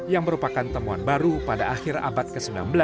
yang merupakan temuan baru pada akhir abad ke sembilan belas